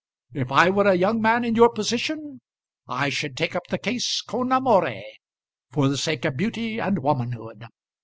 If I were a young man in your position, I should take up the case con amore, for the sake of beauty and womanhood.